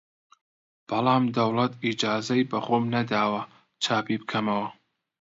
بەڵام دەوڵەت ئیجازەی بە خۆم نەداوە چاپی بکەمەوە!